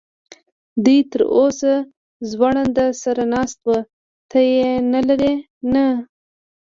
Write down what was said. دی تراوسه ځوړند سر ناست و، ته یې نه لرې؟ نه.